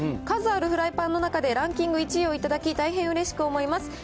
数あるフライパンの中でランキング１位を頂き、大変うれしく思います。